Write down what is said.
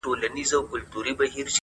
د غلا په جرم به پاچاصاب محترم نیسې؛